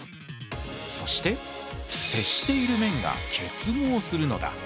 そして接している面が結合するのだ。